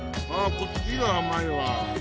こっちが甘いわ・